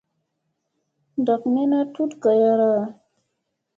Ndak min a tut gayara.